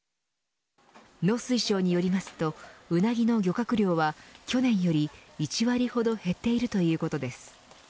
農水省によりますとウナギの漁獲量は去年より１割ほど減っているということです。